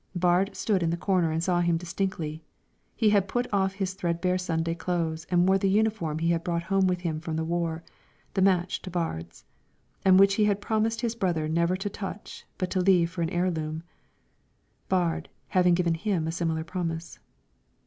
Baard stood in the corner and saw him distinctly; he had put off his threadbare Sunday clothes and wore the uniform he had brought home with him from the war, the match to Baard's, and which he had promised his brother never to touch but to leave for an heirloom, Baard having given him a similar promise.